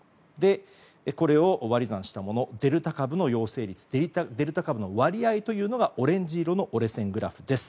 これを割り算したものデルタ株の割合というのがオレンジ色の折れ線グラフです。